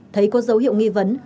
thấy có dấu hiệu nghi vấn